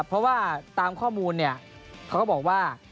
เพราะว่าตามข้อมูลเนี่ยเขาก็บอกว่า